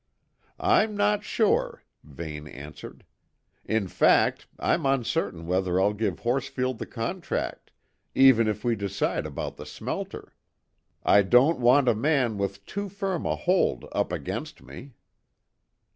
"I'm not sure," Vane answered. "In fact, I'm uncertain whether I'll give Horsfield the contract, even if we decide about the smelter. I don't want a man with too firm a hold up against me."